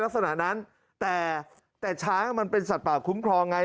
ลักษณะนั้นแต่แต่ช้างมันเป็นสัตว์ป่าคุ้มครองไง